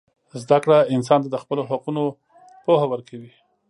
زدهکړه انسان ته د خپلو حقونو پوهه ورکوي.